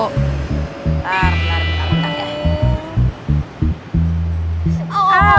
bentar bentar bentar ya